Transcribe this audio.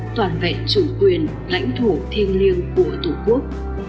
toàn vẹn chủ quyền lãnh thổ thiêng liêng của tổ quốc